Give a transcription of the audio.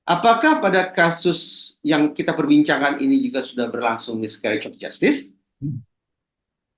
apakah pada kasus yang kita perbincangkan ini juga sudah berlangsung discrige of justice